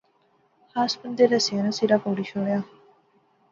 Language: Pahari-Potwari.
خاص بندے رسیا ناں سرا پوڑی شوڑیا